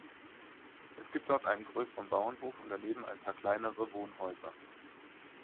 Es gibt dort einen größeren Bauernhof und daneben ein paar kleinere Wohnhäuser.